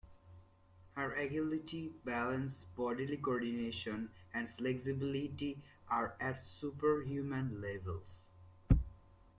Her agility, balance, bodily coordination and flexibility are at superhuman levels.